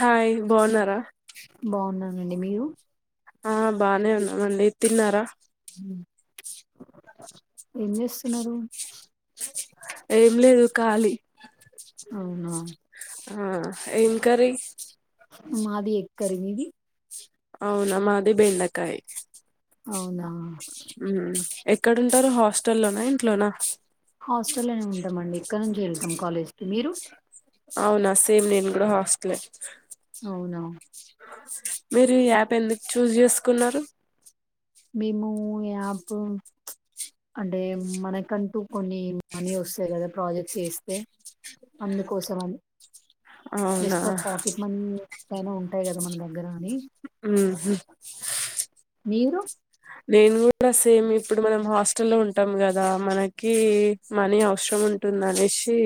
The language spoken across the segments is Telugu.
హాయ్ బావున్నారా. నండి మీరు ఆ బానే ఉన్నామండి. తిన్నారా. హ్మ్ ఏం చేస్తున్నారు. ఏం లేదు ఖాళీ అవునా ఆ ఏం కర్రీ మాది ఎగ్ కర్రీ మీది అవునా మాది బెండకాయ్. అవునా మ్ హ్మ్ ఎక్కడుంటారు హాస్టల్లోనా, ఇంట్లోనా. హాస్టల్లోనే ఉంటాం అండి. ఇక్కడ్ నుంచే వెళ్తాం. కాలేజ్కి మీరు అవునా సేమ్ నేను గూడా హాస్టల్లే. అవున మీరు ఈ యాప్ ఎందుకు చూజ్ చేసుకున్నారు. మేము ము యాపు అంటే మనకంటూ కొన్ని మనీ వస్తాయి కదా ప్రాజెక్ట్స్ చేస్తే. అందుకోసం అని అవునా జస్ట్ ఫర్ పాకెట్ మనీ పైనా ఉంటాయి గాదా. మన దగ్గర అని. మీరు [inaudible] నేను గూడా సేమ్. ఇప్పుడు మనం హాస్ స్టలో ఉంటాం గదా. మనకి మనీ అవసరం ఉంటుందనేసి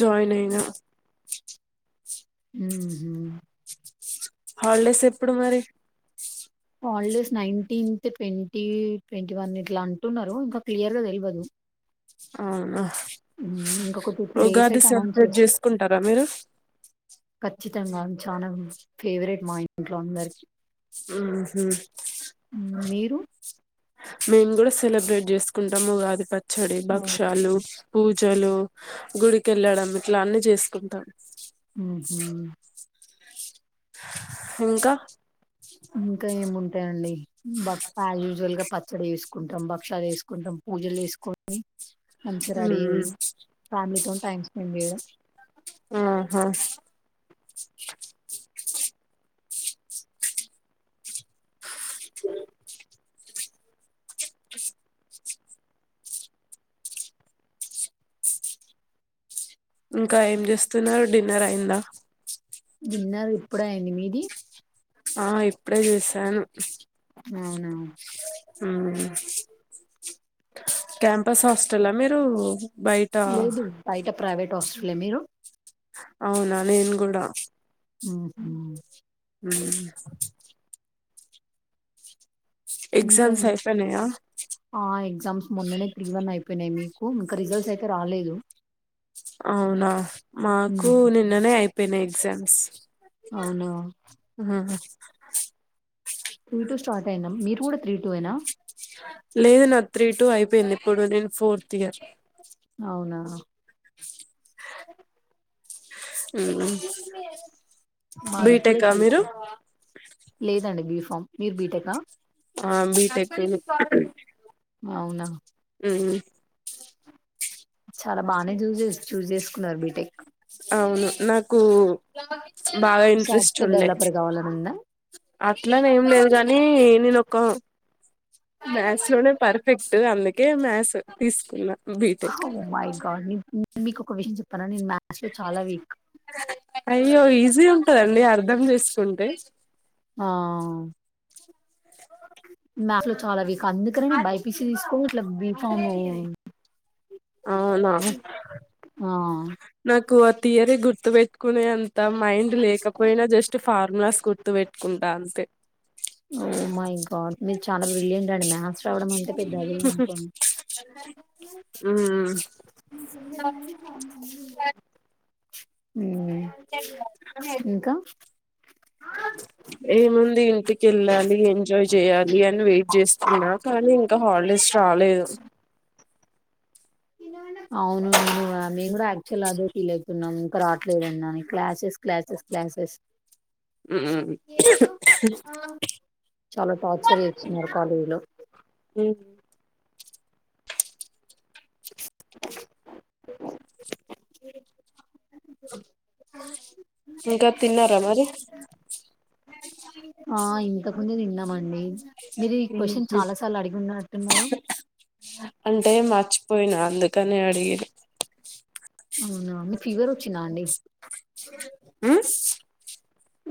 జాయిన్ అయినా. హ్మ్ హు హాల్డేస్ ఎప్పుడు మరి హాల్డేస్ నైన్టీన్త్ అయితే ట్వంటీ, ట్వంటీ వన్ ఇట్లా అంటున్నారు. ఇంకా క్లియర్ గా తెల్వాదు. అవునా ఇంకొక టూ త్రీ డేస్ ఉగాది అయితే అనౌన్స్ సెలబ్రేట్ చేస్త చేసుకుంటారా మీరు కఖచ్చితంగా చాలా ఫేవరెట్ మా ఇంట్లో అందరికి ఊహు మీరు మేము కూడా సెలబ్రేట్ చేసుకుంటాముగాది ప చ్చడి ఉహు బక్షాలు పూజ జలు గుడికెళ్ళడం ఇట్లా అన్ని చేసుకుంటాం ఇంకా ఇంకా ఏముంటాయండి బక్క యూజువల్ గా పచ్చడి వేసుకు కుంటాం పక్షాలు వేసు కొంచెం పూజలు వేసుకొని మంచి రెడీ మ్మ్ అయ్యి ఫ్యామిలీతో టైం స్పెండ్ చేయడం ఆహా స అ ఇంకా ఏం చేస్తున్నారు డిన్నర్ అయిందా డిన్నరు ఇప్పుడే అయింది ఆ ఇప్పుడే చేసాను అవునా ఆ క్యాంపస్ హాస్టల్ మీరు బయట లేదు బయట ప్రైవేట్ హాస్టలే మీరు అవునా నేను కూడా ఆహా హ ఇంకా ఎగ్జామ్స్ ఏ- అయిపోయినాయా ఆ ఎగ్జామ్స్ మొన్ననే త్రీ వన్ అయిపోయినాయి మీకు ఇంకా రిజల్ట్స్ అయితే రాలేదు అవునా మాకు ఉమ్, నిన్ననే అపో అయిపోయినాయ్ ఎగ్జామ్స్ అవునా టూ టూ స్టార్ట్ అయినాం మీరు కూడా త్రీ టూ ఏనా లేదు నా త్రీ టూ అయిపోయింది ఇప్పుడు నేను ఫోర్త్ ఇయర్ అవునా అవు మాది ఇప్పుడే లేదండి గిఫ్ మీర్ బీటెకా ఆ బీటెక్ అవునా? మ్ చాలా బాగానే చూస్ చేస్ చూస్ చేసుకున్నారు బీటెక్ అవును నాకు బాగా ఇంట్రెస్ట్ సాఫ్ట్వేర్ ఉండే డెవలపర్ కావాలని ఉందా అట్లనే ఏం లేదు కాని నేను క్కో మ్యస్ లోనేె పర్ఫెక్ట్ అంద్ గే మ్యాస్ తీసుకున్నా బీటెక్ మగాడ్ని [unintelligible] మీకు ఒక విషయం చెప్ అయ్యో ఈజీ ఉంటదండి అర్ధం చేస్ ఉంటే ఆ మ్యాక్స్లో చాలా వీక్ అందుకనే బైపీసి తీసుకో ఇట్ల బీఫామ్ అ అవునా? నాకు ఆ థియరీ గుర్తు పెట్టుకునే అంత మైండ్ లేకపోయినా జస్ట్ ఫార్ములాస్ గుర్ ర్తు పెట్కుంటా అంతే ఓ మై గాడ్ మీరు చాలా బ్రిలియంట్ అండి మ్యాథ్స్ రావడం అంటే పెద్దది అనుకోండి ఉమ్ అవు ఉమ్ ఏ ముంది ఇంటి కి వెళ్ళాలి ఎంజాయ్ చేయాలి అని వెయిట్ చేస్తున్నా కానీ ఇంకా హాలిడేస్ రాలేదు అవునువును మేము కూడా యాక్చువల్ అదే ఫీల్వుతున్నాం ఇంకా రావట్లేదని క్లాసెస్ క్లాసెస్ క్లాసెస్ మ్మ్ చాలా టార్చర్ చేస్తున్నారు కాలేజ్లో ఇంకా తిన్నార మరి ఆ ఇంతక ముందె తిన్న మండి మీరు ఈ క్వశ్చన్ చాలా సార్లు అడిగి ఉన్నట్టున్నారు అంటే మర్చిపోయినా అందుకనే అడిగిన అవునా ఫీవర్ వచ్చినా అండి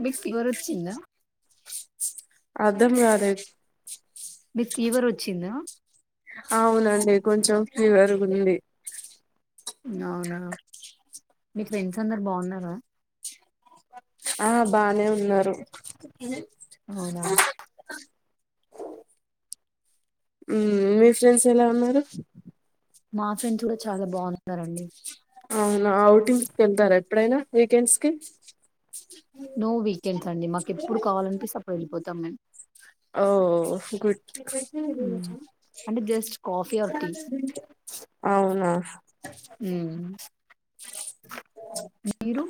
బిక్ ఫీవర్ వచ్చిందా అద్దం కాలే మీక్ ఫీవర్ వచ్చిందా? తినండి అవునా మీ ఫ్రెండ్స్ అందరు బాగున్నారా ఆ బానే ఉన్నారు అవునా మీ ఫ్రెండ్స్ ఎలా ఉన్నారు నా ఫ్రెండ్స్ కూడా చాలా బాగున్నారండి అవునా ఔటింగ్స్ కీ వెళ్తారా ఎప్పుడైనా వీకెండ్స్ కి నో వీకెండ్స్ అండి మాకు ఎప్పుడు కావాలనిపిస్తే అప్పుడు వెళ్ళిపోతాం మేం చికొడ్ అంటే జస్ట్ కాఫీ ఆర్ టీ అవునా మీరు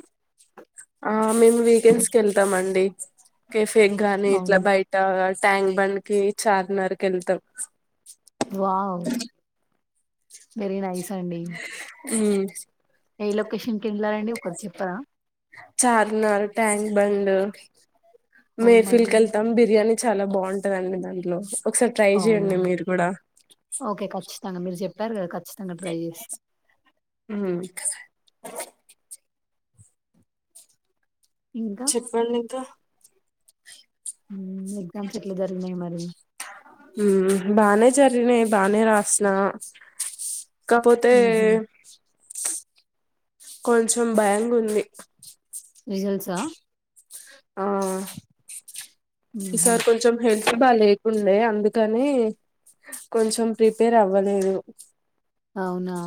ఆ మేము వీకెండ్స్ కి వెళ్తామ్ అండ్ [inaudible] కెఫే గానీ ఇట్లా అవును బయట ట్యాంక్ బండ్ కి చార్మినార్ కి వెళ్తాం వావ్ వెరి నైస్ అండి ఉమ్ ఏ లొకేషన్ కి వెళ్ళారండి ఒకటి చెప్తవా Charminar Tank Bund oh my మేఫిల్క్ god ఎళ్తాం బిర్యానీ చాలా బాగుంటందండి దాంట్లో ఒకసారి ట్రై అవునా చేయండి మీరు కూడా ప్తారు ఖచ్చ్ మ్మ్ అ ఇంకా చెప్పండి ఇంకా ఎగ్జామ్స్ ఎట్లా జరిగినాయి మరి ఉ బానే జరిగినాయి బానే రాసిన కాకపోతే హుహు. కొంచెం భయంగా ఉంది రిజల్ట్సా ఆ ఈ హుహు. సారి కొంచెం హెల్త్ బాగా లేకుండే అ అందుకని కొంచెం ప్రిపేర్ అవ్వలేదు అవునా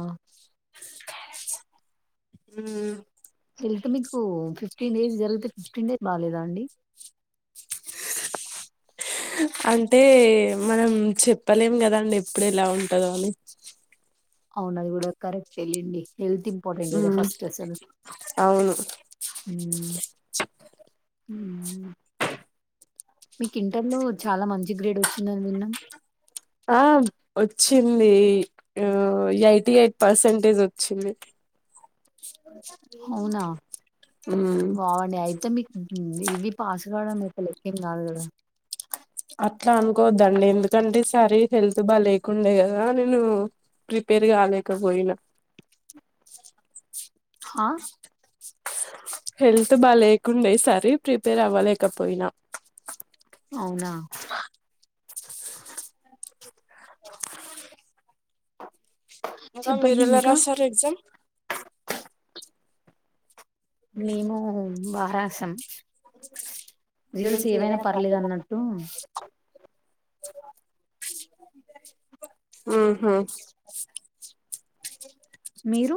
హ్మ్ వెళ్తే మీకు ఫిఫ్టీన్ డేస్ జరిగితే ఫిఫ్టీన్ డేస్ బాలేదా అండి అంటే మనం చెప్పలేం కదాండి ఎప్పుడు ఎలా ఉంటందో అని అవున అది కూడా కరెక్ట్ లెండి హెల్త్ ఇంపార్టెంట్ గదా హ్మ్ ఫస్ట్ అసలు. అవును హ్మ్. హ్మ్ మీకు ఇంటర్ లో చాలా మంచి గ్రేడ్ వచ్చిందని విన్న ఆ వచ్చింది ఎయిటీ ఎయిట్ పర్సంటేజ్ వచ్చింది అవునా ఉమ్ వావ్ అండి అయితే మీకు హ్మ్ ఇవి పాస్ కావడం ఒక లెక్క ఏం కాదు కదా అట్లా అనుకోద్దండి ఎందుకంటే సర హెల్త్ బాలే కుండా యో అనను ప్రిపేర్ కాలేకపోయినా హా హెల్త్ బాగా లేకుండే సార్ ప్రీపేర్ అవ్వలేకపోయినా అవునా ఇంకా చెప్పండి మీరెలా ఇంకా. రాసారు ఎగ్జామ్ మేము బా రాసా రిజల్ట్స్ ఏమైనా పర్లేదు అన్నట్టు [unintelligible] అ మీరు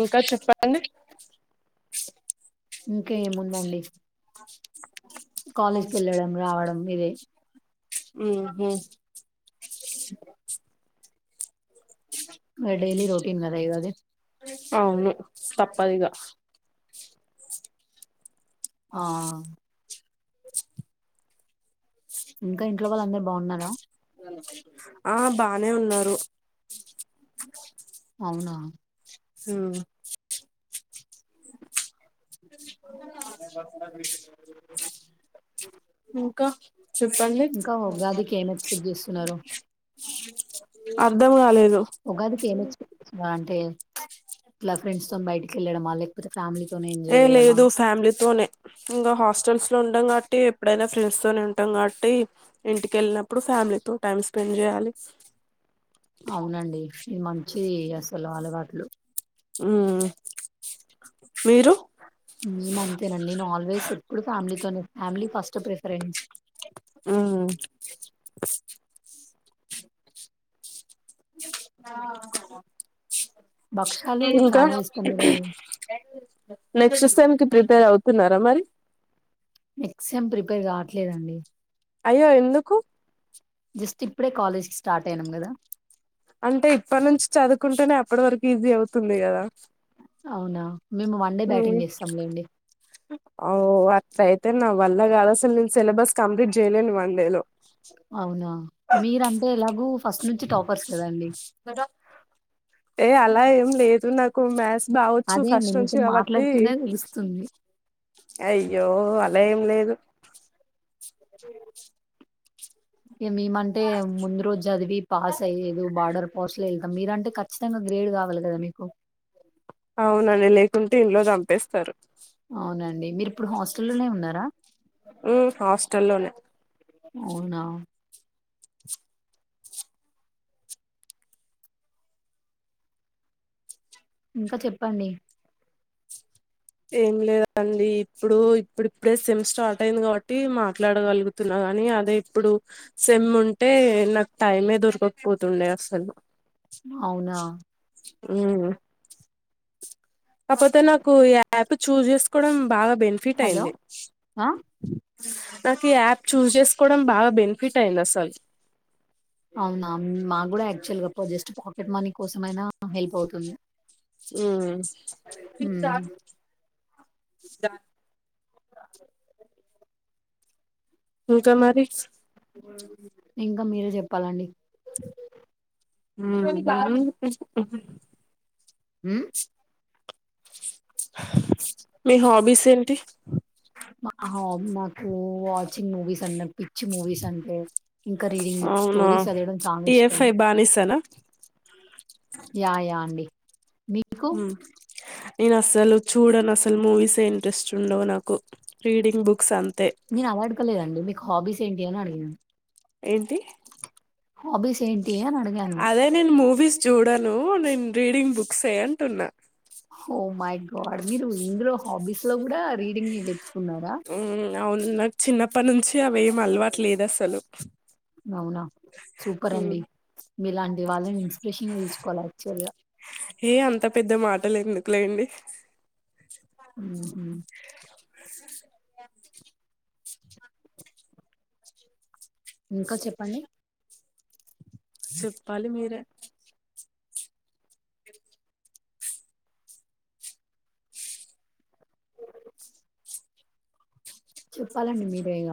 ఇంకా చెప్పండి ఇంకా ఏముందండి కాలేజ్కి వెళ్ళడం రావడం ఇదే హ్మ్ హు డైలీ రొటీన్ కదా ఎవది అవును తప్పదిగా ఆ ఇంకా ఇంట్లో వాళ్ళు అందరు బాగున్నారా ఆ బానే ఉన్నారు అవునా హ్మ్ ఇంకా చెప్పండి. ఇంకా అ ఉగాదికి ఏం ఎక్స్పెక్ట్ చేస్తున్నారు ఉగాదికి ఏం ఎక్స్పెక్ట్ అంటే ఇలా ఫ్రెండ్స్తోన్ బయటికి వెల్లడం అల్లే ఏ లేదు ఫ్యామిలీతోనే ఇంకా హాస్టల్స్లో ఉంటాం కాబట్టి ఎప్పుడైనా ఫ్రెండ్స్తోనే ఉంటాం కాబట్టి ఇంటికెళ్ళినప్పుడు ఫ్యామిలీతో టైమ్ స్పెండ్ చేయాలి. అవునండి ఇది మంచి అసలు అలవాట్ ట్లు. మ్ మీరు? మేం అంతేనండి. నేన్ ఆల్వేస్ ఎప్పుడు ఫ్యామిలీతోనే ఫ్యామిలీ ఫస్ట్ ప్రిఫరెన్స్ ఆ భక్షాలు ఇంకా చాలా ఇష్టం మీరు నెక్స్ట్ సెమ్ కి ప్రిపేర్ అవుతున్నారా మరి నెక్స్ట్ సెమ్ ప్రిపేర్ కావట్లేదండి అయ్యో ఎందుకు? జస్ట్ ఇప్పుడే కాలేజ్కి స్టార్ట్ అయినం గదా అంటే ఇప్పట్నుంచి చదువుకుంటేనే అప్పట్ వరకు ఈజీ అవుతుంది కదా అవునా మేము వన్ డే మ్మ్ బ్యాటింగ్ చేస్తాం లెండి. ఓ అట్ల అయితే నా వల్ల కాద్ అసల్ నేన్ సిలబస్ కంప్లీట్ చేయలేను వన్ డే లో అవునా మీరంటే ఎలాగో ఫస్ట్ నుంచి టాపర్స్ కదా అండి. ఏ అలా ఏం లేదు నాక్ కు మ్యాస్ అదే అండి మీతో మాట్లాడుతూనే తెలుస్తుంది. అయ్యో అలా ఏం లేదు. అ ఇగ మేమంటే ముందు రోజు చదివి పాస్ అయ్యలేదు బార్డర్ పాస్లో ఎ మీరంటే ఖచ్చితంగా గ్రేడ్ కావాలి కదా మీకు అవునండి లేకుంటే ఇంట్లో చంపేస్తరు. అవునండి మీర్ ఇప్పుడు హాస్టల్లోనే ఉన్నారా ఉమ్, హాస్టల్లోనే అవునా ఇంకా చెప్పండి. ఏం లేదండి ఇప్పుడు ఇప్పుడిప్పుడే సెమ్ స్టార్ట్ అయింది కాబట్టి మాట్లాడగలుగుతున్నా గానీ అదే ఇప్పుడు సెమ్ ఉంటే నాకు టైమే దొరకక్పోతుండే అసలు అవునా ఊ కాకపోతే నాకు ఇగ యాప్ చూజ్ చేసుకోవడం బాగా బెనిఫిట్ హలో అయింది ఆ నాకు ఈ యాప్ చూజ్ చేసుకోవడం బాగా బెనిఫిట్ అయింది అసలు అవునా మా కూడా యాక్చువల్గా జస్ట్ పాకెట్ మనీ కోసం అయిన హెల్ప్ అవుతుంది ఊ ఉమ్ దత్ ఇంకా మరి ఇంకా మీరే చెప్పాలండి ఉ [unintelligible] ఉ మీ హాబీస్ ఏంటి హా నాకు వాచింగ్ మూవీస్ అన్నా పిక్చ్చ మూవీస్ అంటే ఇంకా రీడింగ్ బుక్స్ అవునా స్టోరీస్ చదవడం చాలా ఇష్టం అ యా య అండి మీకు ఉ నేను అసలు చూడన్ అసలు మూవీస్ ఇంట్రెస్ట్ ఉండవు నాకు రీడింగ్ బుక్స్ అంతే నేను అలా అడుకోలేదండి మీ హాబీస్ ఏంటి అడిగిన ఏంటి ఏంటి అని అడిగాను. అదే నేను మూవీస్ చూడను నేను రీడింగ్ బుక్సే అంటున్నా ఓ మై గాడ్ మీరు ఇందులో హాబీస్ లో కూడా రీడింగ్ వెత్తుకున్నారా మ్, అవును నాకు చిన్నప్పటి నుంచి అవి ఏం అలవాటు లేదు అసలు అవునా సూపర్ మ్, అండి మీలాంటి వాళ్ళని ఇన్స్పిరేషన్ తీసుకోవాలి యాక్చువల్గా ఏ అంత పెద్ద మాటలు ఎందుకులేండి ఉహు [inaudible] ఇంకా చెప్పండి చెప్పాలి మీరే చెప్పాలండి మీరే ఇగ